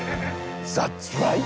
ザッツライト！